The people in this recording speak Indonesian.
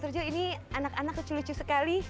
dr joe ini anak anak lucu lucu sekali